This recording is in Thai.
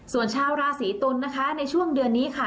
ส่วนชาวราศีตุลนะคะในช่วงเดือนนี้ค่ะ